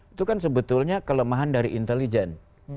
itu kan sebetulnya kelemahan dari intelijen